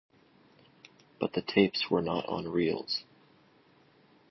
But the tapes were not on reels.